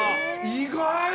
意外！